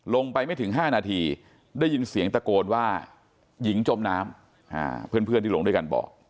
ไม่ถึง๕นาทีได้ยินเสียงตะโกนว่าหญิงจมน้ำเพื่อนที่ลงด้วยกันบอก